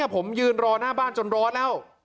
ผมยืนรอหน้าบ้านจนร้อนแล้ว